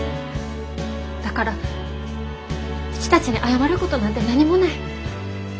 だからうちたちに謝ることなんて何もない。